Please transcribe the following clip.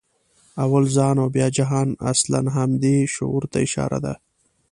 «اول ځان او بیا جهان» اصلاً همدې شعور ته اشاره ده.